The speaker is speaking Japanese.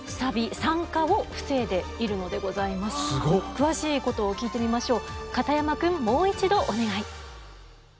詳しいことを聞いてみましょう。